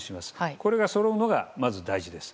これがそろうのがまず大事です。